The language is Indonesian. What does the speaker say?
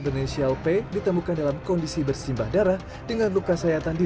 berinisial p ditemukan dalam kondisi bersimbah darah dengan luka sayatan di